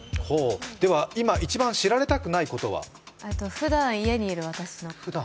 では今、一番知られたくないことは？ふだん家にいる私。